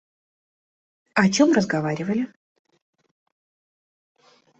О чем разговаривали?